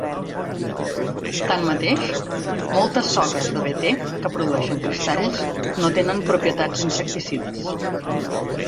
Tanmateix, moltes soques de Bt que produeixen cristalls no tenen propietats insecticides.